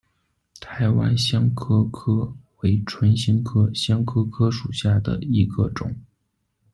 台湾香科科为唇形科香科科属下的一个种。